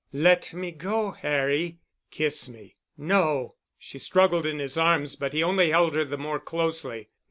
"Let me go, Harry." "Kiss me." "No." She struggled in his arms, but he only held her the more closely.